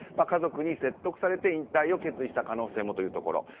家族に説得されて引退を決意した可能性もというところ。